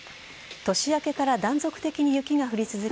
年明けから断続的に雪が降り続き